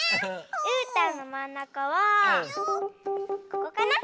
うーたんのまんなかはここかな。